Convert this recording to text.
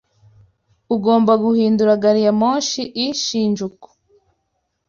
Ugomba guhindura gari ya moshi i Shinjuku.